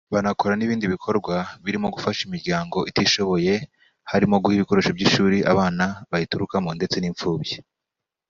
banakora n’ibindi bikorwa birimo gufasha imiryango itishoboye harimo guha ibikoresho by’ishuri abana bayiturukamo ndetse n’impfubyi